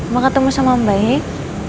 mau ketemu sama mbaik